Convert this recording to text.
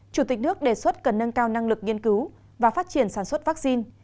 chủ tịch nước đề xuất cần nâng cao năng lực nghiên cứu và phát triển sản xuất vaccine